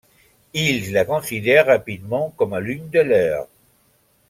Ils la considèrent rapidement comme l’une des leurs.